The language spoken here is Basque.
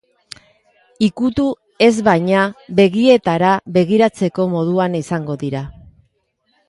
Ikutu ez baina, begietara begiratzeko moduan izango dira.